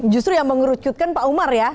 justru yang mengerucutkan pak umar ya